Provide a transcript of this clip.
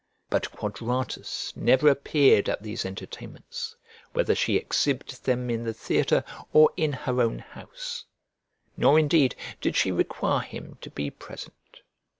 But Quadratus never appeared at these entertainments, whether she exhibited them in the theatre or in her own house; nor indeed did she require him to be present.